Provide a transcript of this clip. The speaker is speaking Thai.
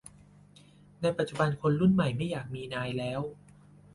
ในปัจจุบันคนรุ่นใหม่ไม่อยากมีนายแล้ว